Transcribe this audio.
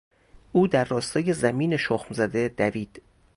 او در راستای زمین شخم زده دوید.